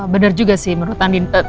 bener juga sih menurut andi